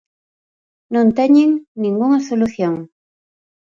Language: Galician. Non teñen ningunha solución.